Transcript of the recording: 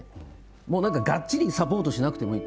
もう何かがっちりサポートしなくてもいい。